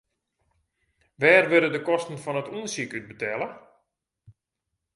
Wêr wurde de kosten fan it ûndersyk út betelle?